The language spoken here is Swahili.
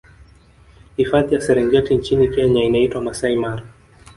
hifadhi ya serengeti nchini kenya inaitwa masai mara